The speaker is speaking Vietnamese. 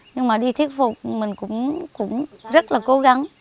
nhưng mà đi thuyết phục mình cũng rất là cố gắng